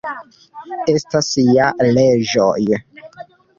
Estas ja leĝoj.